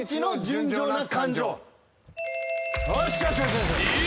おっしゃ。